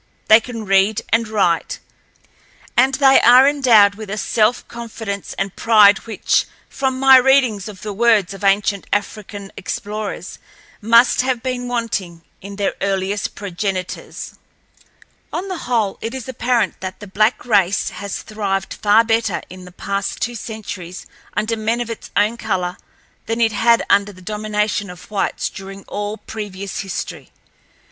They can read and write, and they are endowed with a self confidence and pride which, from my readings of the words of ancient African explorers, must have been wanting in their earliest progenitors. On the whole, it is apparent that the black race has thrived far better in the past two centuries under men of its own color than it had under the domination of whites during all previous history.